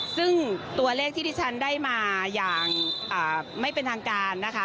ซึ่งตัวเลขที่ที่ฉันได้มาอย่างไม่เป็นทางการนะคะ